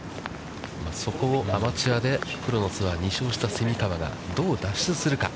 そこをアマチュアでプロのツアーで２勝した蝉川がどう脱出するか。